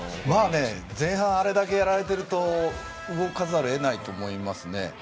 前半あれだけやられてると動かざるを得ないと思いますね。